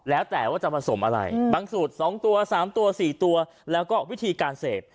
แล้วแต่ว่าจะผสมอะไรบางสูตร๒ตัว๓ตัว๔ตัวแล้วก็วิธีการเสพ